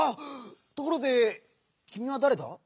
ところできみはだれだ？